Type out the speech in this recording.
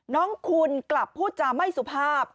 น้องคุณกลับพูดจาไม่สุภาพ